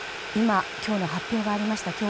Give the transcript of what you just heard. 今、今日の発表がありました